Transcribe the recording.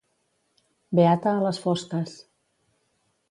Beata a les fosques.